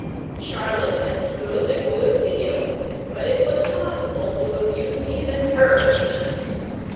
Charlotte had stood a good deal, but it was possible to abuse even her patience.